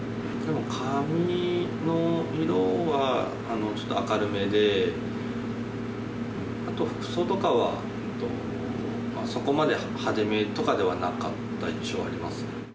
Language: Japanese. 髪の色はちょっと明るめで、あと服装とかは、そこまで派手めとかではなかった印象があります。